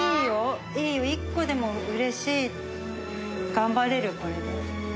頑張れるこれで。